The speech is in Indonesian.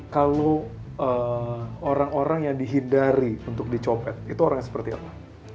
kalau orang orang yang dihindari untuk dicopet itu orangnya seperti apa